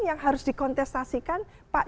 yang harus dikontestasikan pak